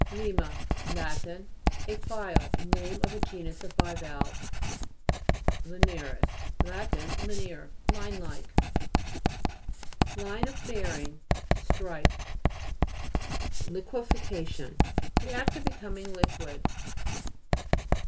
LI/MA Lat. A file. Name of a genus of bivalves. LINEA'RIS Lat. Linear, line like. LINE OF BEARING Strike (p. 185). LIQUEFA'CTION The act of becoming liquid.